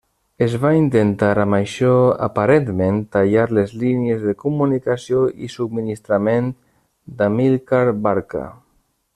Es va intentar amb això, aparentment, tallar les línies de comunicació i subministrament d'Amílcar Barca.